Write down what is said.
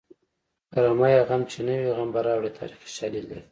کرمیه چې غم نه وي غم به راوړې تاریخي شالید لري